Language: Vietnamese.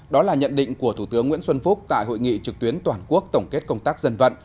đó là nhận định của thủ tướng nguyễn xuân phúc tại hội nghị trực tuyến toàn quốc tổng kết công tác dân vận